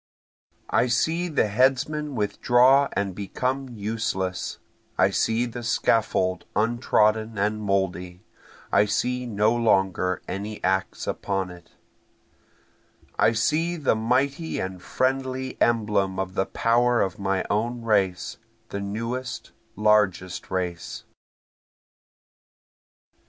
I see the headsman withdraw and become useless, I see the scaffold untrodden and mouldy, I see no longer any axe upon it, I see the mighty and friendly emblem of the power of my own race, the newest, largest race.